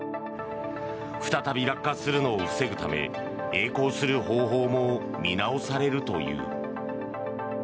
再び落下するのを防ぐためえい航する方法も見直されるという。